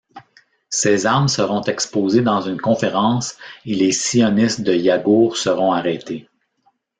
Ces armes seront exposées dans une conférence et les sionistes de Yagur seront arrêtés.